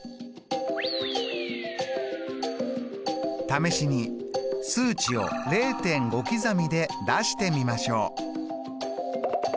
試しに数値を０．５刻みで出してみましょう。